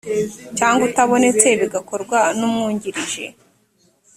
cyangwa atabonetse bigakorwa n umwungirije